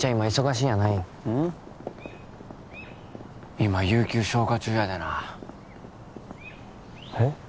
今有休消化中やでなえっ！？